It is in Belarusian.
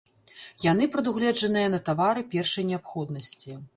Яны прадугледжаныя на тавары першай неабходнасці.